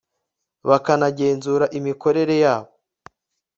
bakanagenzura imikorere yabo